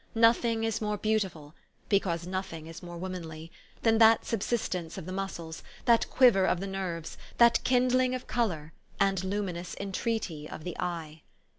Nothing is more beautiful, because nothing is more womanly, than that subsidence of the muscles, that quiver of the nerves, that kindling of color, and luminous entreaty of the eye.